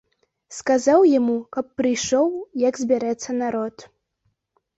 Сказаў яму, каб прыйшоў, як збярэцца народ.